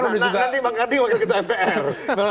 nah nanti pak kardi wakil ketua mpr